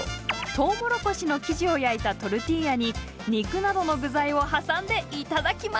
トウモロコシの生地を焼いたトルティーヤに肉などの具材を挟んでいただきます！